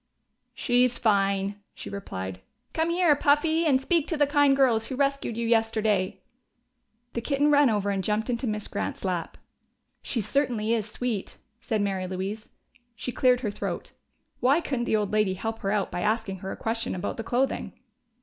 "She's fine," she replied. "Come here, Puffy, and speak to the kind girls who rescued you yesterday!" The kitten ran over and jumped into Miss Grant's lap. "She certainly is sweet," said Mary Louise. She cleared her throat: why couldn't the old lady help her out by asking her a question about the clothing?